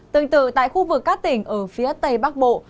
tương tự tại khu vực các tỉnh ở phía tây bắc bộ